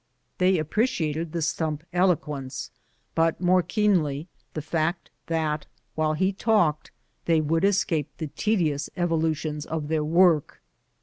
They appreciated the stump elo quence, but more keenly the fact that while he talked they would escape the tedious evolutions of their work.